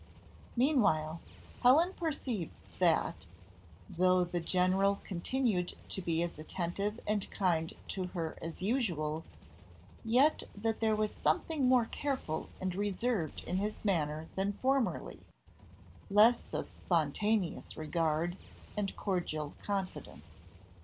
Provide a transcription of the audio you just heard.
Meanwhile, Helen perceived that, though the general continued to be as attentive and kind to her as usual, yet that there was something more careful and reserved in his manner than formerly, less of spontaneous regard, and cordial confidence.